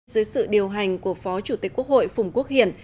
dưới sự điều hành của phó chủ tịch quốc hội phùng quốc hiển